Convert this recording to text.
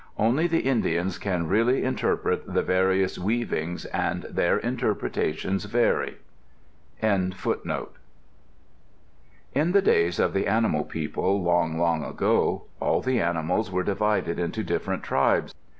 Only the Indians can really interpret the various weavings, and their interpretations vary. In the days of the animal people, long, long ago, all the animals were divided into different tribes.